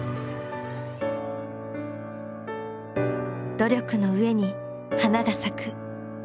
努力の上に花が咲く。